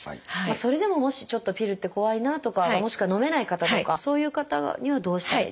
それでももしちょっとピルって怖いなとかもしくはのめない方とかそういう方にはどうしたらいいですか？